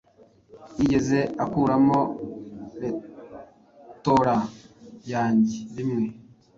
Yigeze akuramo reitora yanjye rimwe